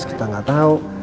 kita gak tau